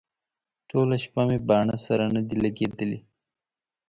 ټوله شپه مې باڼه سره نه دي لګېدلي.